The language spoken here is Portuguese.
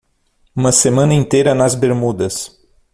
Uma semana inteira nas Bermudas.